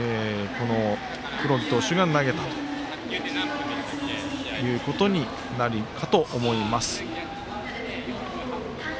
黒木投手が投げたということになるかと思います。